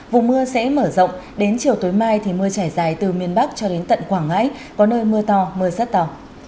vùng mưa sẽ mở rộng đến chiều tối mai thì mưa trải dài từ miền bắc cho đến tận quảng ngãi có nơi mưa to mưa rất to